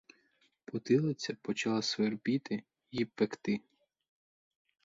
Потилиця почала свербіти й пекти.